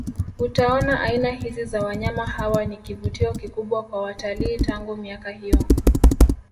Utaona aina hizi za wanyama hawa ni kivutio kikubwa kwa watalii tangu miaka hiyo